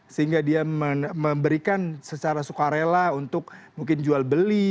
sehingga dia memberikan secara sukarela untuk mungkin jual beli